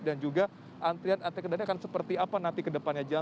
dan juga antrian antrian kedatanya akan seperti apa nanti kedepannya jalan